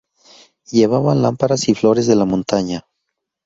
Llevaban lámparas y flores de la montaña.